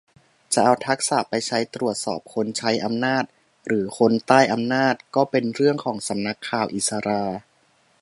จะเอาทักษะไปใช้ตรวจสอบคนใช้อำนาจหรือคนใต้อำนาจ ก็เป็นเรื่องของสำนักข่าวอิศรา